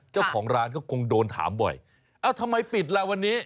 เจ้าของร้านก็คงโดนถามบ่อยเอ้าทำไมปิดล่ะวันนี้